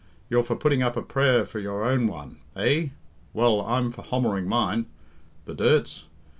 You're for putting up a prayer for your own one. Eh? Well, I'm for hommering mine. The dirts?